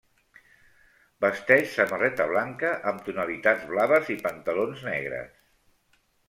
Vesteix samarreta blanca amb tonalitats blaves, i pantalons negres.